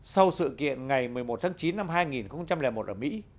sau sự kiện ngày một mươi một tháng chín năm hai nghìn một ở mỹ